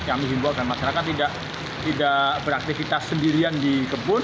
kami ingin membuatkan masyarakat tidak beraktifitas sendirian di kebun